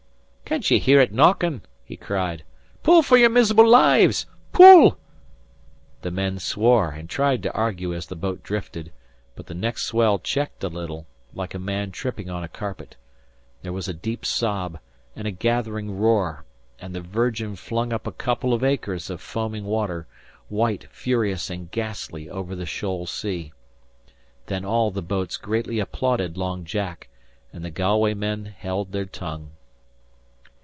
"Can't ye hear ut knockin'?" he cried. "Pull for you miserable lives! Pull!" The men swore and tried to argue as the boat drifted; but the next swell checked a little, like a man tripping on a carpet. There was a deep sob and a gathering roar, and the Virgin flung up a couple of acres of foaming water, white, furious, and ghastly over the shoal sea. Then all the boats greatly applauded Long Jack, and the Galway men held their tongue.